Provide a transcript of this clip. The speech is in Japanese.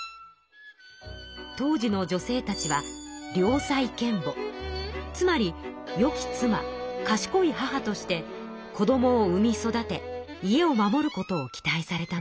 当時の女性たちは良妻賢母つまり良き妻賢い母として子どもを生み育て家を守ることを期待されたのです。